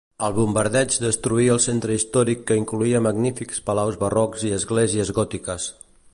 El bombardeig destruí el centre històric que incloïa magnífics palaus barrocs i esglésies gòtiques.